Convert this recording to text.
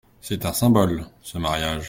C'est un symbole, ce mariage.